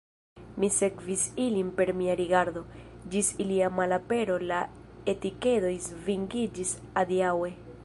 Mi sekvis ilin per mia rigardo, ĝis ilia malapero, la etikedoj svingiĝis adiaŭe.